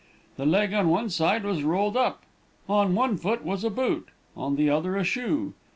The leg on one side was rolled up. On one foot was a boot, on the other a shoe.